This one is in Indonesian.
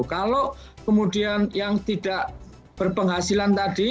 kalau kemudian yang tidak berpenghasilan tadi